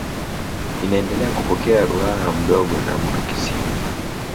Inaendelea kupokea Ruaha Mdogo na mto Kisigo